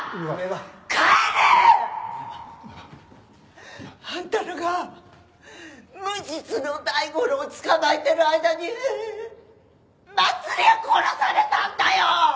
帰れ！！あんたらが無実の大五郎を捕まえてる間にまつりは殺されたんだよ！！